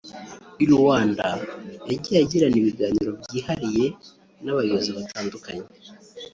I Luanda yagiye agirana ibiganiro byihariye n’abayobozi batandukanye